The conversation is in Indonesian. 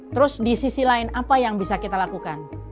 terus di sisi lain apa yang bisa kita lakukan